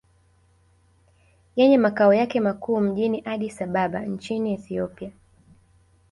Yenye makao yake makuu mjini Addis Ababa nchini Ethiopia